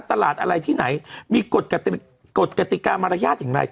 ตลาดอะไรที่ไหนมีกฎกฎกฎกฎกฎิกามารยาทอย่างไร